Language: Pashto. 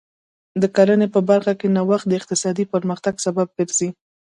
د کرنې په برخه کې نوښت د اقتصادي پرمختګ سبب ګرځي.